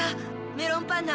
メロンパンナ！